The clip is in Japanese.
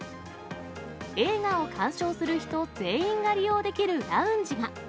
映画を鑑賞する人全員が利用できるラウンジが。